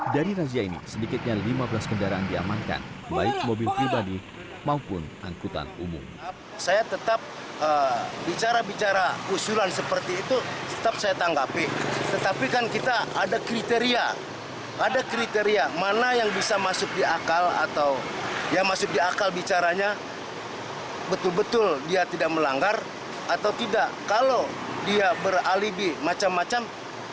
dari razia ini sedikitnya lima belas kendaraan diamankan baik mobil pribadi maupun angkutan umum